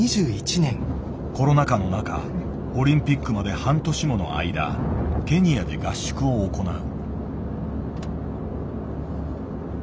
コロナ禍の中オリンピックまで半年もの間ケニアで合宿を行う。